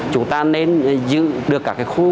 chúng ta nên giữ được các khó khăn